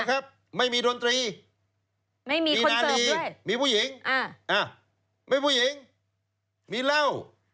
ครับไม่มีดนตรีไม่มีนาลีมีผู้หญิงไม่ผู้หญิงมีเหล้า